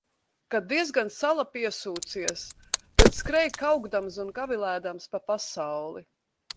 Kad diezgan sala piesūcies, tad skrej kaukdams un gavilēdams pa pasauli.